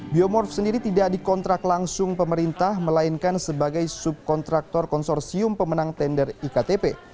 biomorp sendiri tidak dikontrak langsung pemerintah melainkan sebagai subkontraktor konsorsium pemenang tender iktp